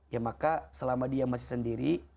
ya maka selama dia masih sendiri